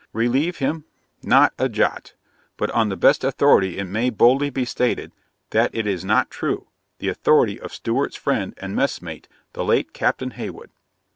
Relieve him? not a jot but on the best authority it may boldly be stated, that it is not true the authority of Stewart's friend and messmate, the late Captain Heywood.